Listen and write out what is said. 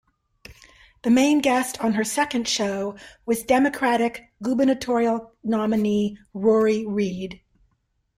The main guest on her second show was Democratic Gubernatorial nominee Rory Reid.